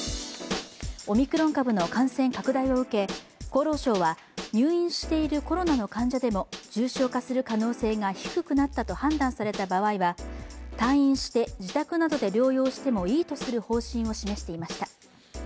オミクロン株の感染拡大を受け、厚労省は入院しているコロナの患者でも重症化する可能性が低くなったと判断された場合は退院して自宅などで療養してもいいとする方針を示していました。